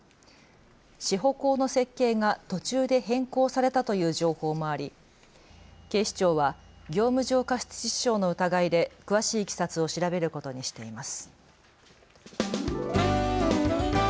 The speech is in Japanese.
支保工の設計が途中で変更されたという情報もあり警視庁は業務上過失致死傷の疑いで詳しいいきさつを調べることにしています。